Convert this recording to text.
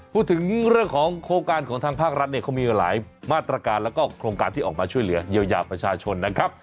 พูดถึงเรื่องของโครงการของทางภาครัฐเนี่ยเขามีหลายมาตรการแล้วก็โครงการที่ออกมาช่วยเหลือเยียวยาประชาชนนะครับ